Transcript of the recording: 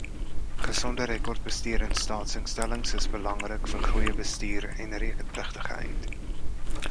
Gesonde rekordbestuur in staatsinstellings is belangrik vir goeie bestuur en rekenpligtigheid.